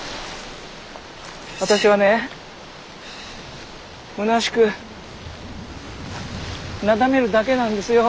私はねむなしくなだめるだけなんですよ。